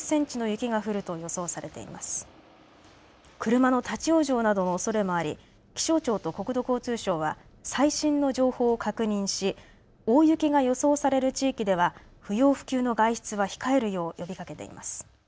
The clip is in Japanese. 車の立往生などのおそれもあり気象庁と国土交通省は最新の情報を確認し大雪が予想される地域では不要不急の外出は控えるよう呼びかけています。